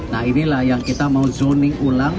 nah inilah yang kita mau zoning ulang